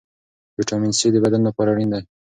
ویټامین سي د بدن لپاره اړین دی.